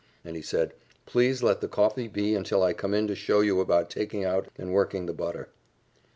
And he said, "Please let the coffee be until I come in to show you about taking out and working the butter."